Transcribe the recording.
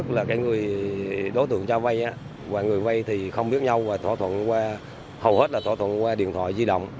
cái người đối tượng cho vai người vai thì không biết nhau và thỏa thuận qua hầu hết là thỏa thuận qua điện thoại di động